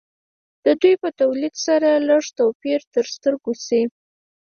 د دوی په لیدو سره لږ توپیر تر سترګو شي